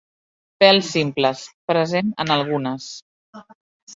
Pèls simples. Present en algunes.